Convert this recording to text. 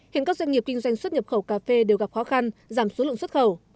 hiện các doanh nghiệp kinh doanh xuất nhập khẩu cà phê đều gặp khó khăn giảm số lượng xuất khẩu